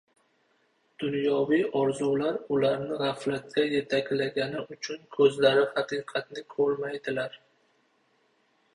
Dunyoviy orzular ularni g‘aflatga yetaklagani uchun ko‘zlari haqiqatni ko‘rmaydilar.